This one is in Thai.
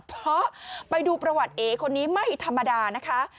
เพราะไปดูประวัติเอ๋คนนี้ไม่ธรรมดานะคะ